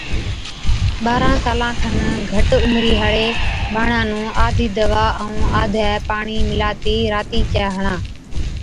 ٻارهان سالان کن گھٽ عمرِي هاڙي ٻاڙا نُون آڌِي دَوا ائُون آڌَي پاڻِي مِلاتِي راتِي چَي هڻا۔